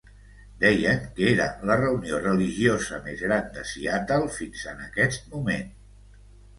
Deien que era la reunió religiosa més gran de Seattle fins en aquest moment.